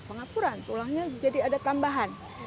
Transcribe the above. pengapuran tulangnya jadi ada tambahan